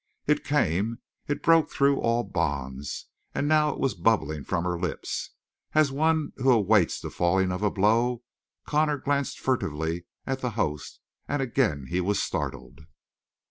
It came, it broke through all bonds, and now it was bubbling from her lips. As one who awaits the falling of a blow, Connor glanced furtively at the host, and again he was startled.